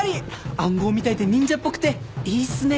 暗号みたいで忍者っぽくていいっすね。